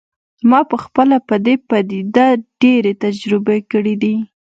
ما پخپله په دې پدیده ډیرې تجربې کړي دي